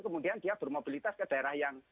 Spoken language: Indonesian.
kemudian dia bermobilitas ke daerah yang